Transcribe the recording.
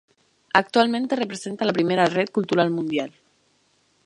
Actualmente representa la primera red cultural mundial.